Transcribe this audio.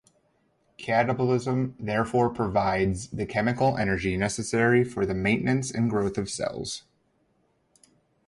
Catabolism therefore provides the chemical energy necessary for the maintenance and growth of cells.